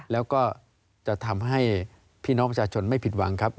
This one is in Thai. แล้วก็จะทำให้พี่น้องประชาชนไม่ผิดหวังครับ